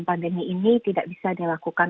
pandemi ini tidak bisa dilakukan